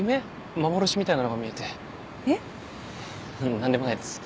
何でもないです。